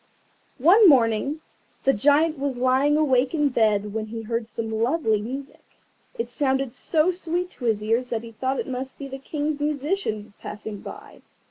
One morning the Giant was lying awake in bed when he heard some lovely music. It sounded so sweet to his ears that he thought it must be the King's musicians passing by.